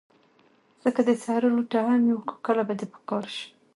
زه که د صحرا لوټه هم یم، خو کله به دي په کار شم